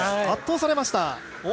圧倒されました。